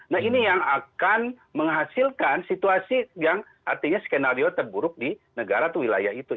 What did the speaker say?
nah ini yang akan menghasilkan situasi yang artinya skenario terburuk di negara atau wilayah itu